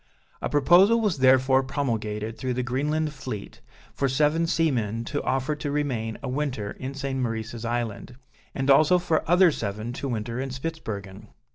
A proposal was therefore promulgated through the Greenland fleet, for seven seamen to offer to remain a winter in St. Maurice's Island, and also for other seven to winter in Spitzbergen.